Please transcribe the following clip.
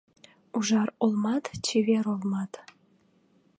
Ужар олмат, чевер олмат -